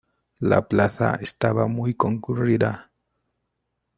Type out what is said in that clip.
La plaza estaba muy concurrida